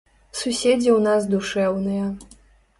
Суседзі ў нас душэўныя.